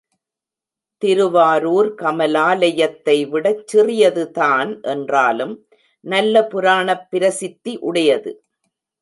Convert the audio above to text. திருவாரூர் கமலாலயத்தை விடச் சிறியதுதான் என்றாலும் நல்ல புராணப் பிரசித்தி உடையது.